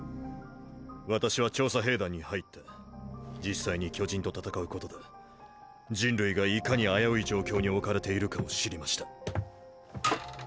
私は調査兵団に入って実際に巨人と戦うことで人類がいかに危うい状況に置かれているかを知りました。